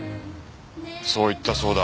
そう言ったそうだ